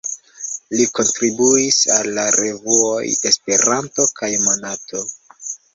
Li kontribuis al la revuoj "Esperanto" kaj "Monato".